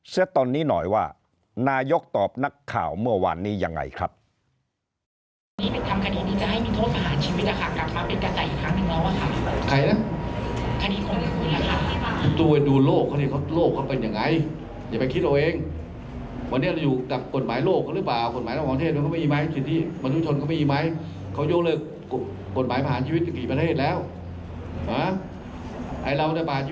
ตอนนี้หน่อยว่านายกตอบนักข่าวเมื่อวานนี้ยังไงครับ